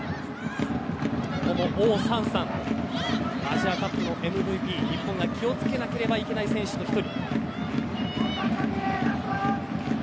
オウ・サンサンアジアカップのＭＶＰ日本が気を付けないといけない選手の１人。